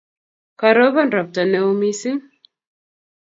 Karopon ropta ne o missing'